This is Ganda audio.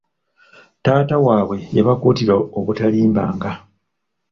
Taata waabwe yabakuutira obutalimbanga.